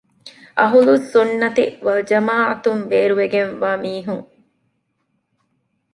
އަހުލުއްސުންނަތި ވަލްޖަމާޢަތުން ބޭރުވެގެންވާ މީހުން